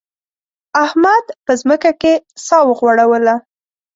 احمد په ځمکه کې سا وغوړوله.